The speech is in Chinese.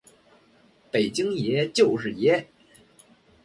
北京爷，就是爷！